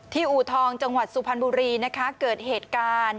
อูทองจังหวัดสุพรรณบุรีนะคะเกิดเหตุการณ์